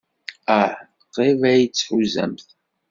Ah, qrib ay tt-tḥuzamt.